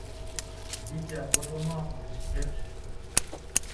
Βγήκε απότομα από τις σκέψεις του